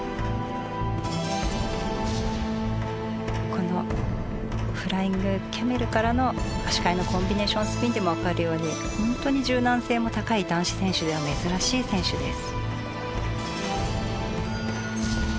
このフライングキャメルからの足換えのコンビネーションスピンでもわかるように本当に柔軟性も高い男子選手では珍しい選手です。